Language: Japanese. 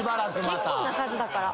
結構な数だから。